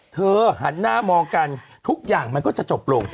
หันหน้ามองกันทุกอย่างมันก็จะจบลง